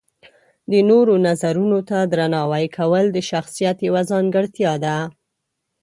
د نورو نظرونو ته درناوی کول د شخصیت یوه ځانګړتیا ده.